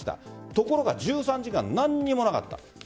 ところが、１３時間何もなかった。